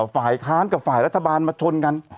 ฝ่ายค้านกับฝ่ายรัฐบาลมาชนกัน